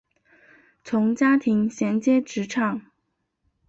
从家庭衔接职场